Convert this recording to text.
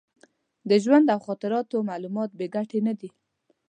د ژوند او خاطراتو معلومات بې ګټې نه دي.